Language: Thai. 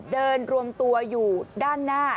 รวมตัวอยู่ด้านหน้า